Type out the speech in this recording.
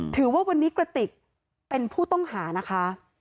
ถือว่าวันนี้กระติกเป็นผู้ต้องหานะคะ